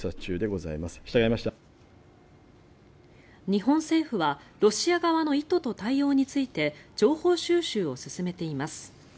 日本政府はロシア側の意図と対応について情報収集を進めています。